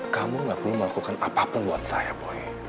kamu gak perlu melakukan apapun buat saya pokoknya